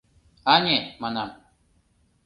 — Ане, — манам.